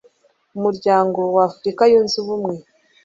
umuryango w'africa yunze ubumwe